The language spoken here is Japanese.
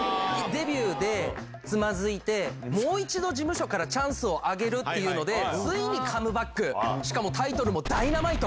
デビューでつまずいて、もう一度事務所からチャンスをあげるっていうので、ついにカムバック、しかもタイトルもダイナマイト。